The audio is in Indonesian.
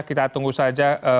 kita tunggu saja